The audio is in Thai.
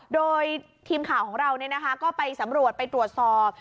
โดยทีมข่าวของเราก็ไปสำรวจไปตรวจสอบ